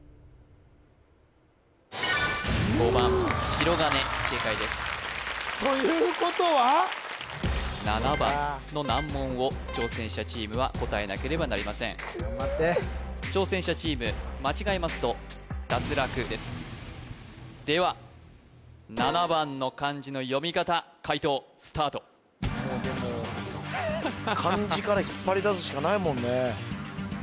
５番しろがね正解ですということは７番の難問を挑戦者チームは答えなければなりません頑張ってでは７番の漢字の読み方解答スタートでも漢字から引っ張り出すしかないもんね